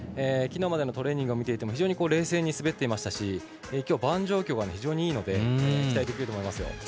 昨日までのトレーニングを見ても非常に冷静に滑っていましたし今日はバーン状況が非常にいいので期待できると思いますよ。